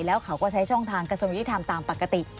แล้วเขาก็ใช้ช่องทางกระสมุทิทำตามปกติ